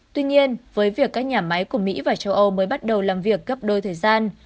tuy nhiên với việc các nhà máy của mỹ và châu âu mới bắt đầu làm việc gấp đôi thời gian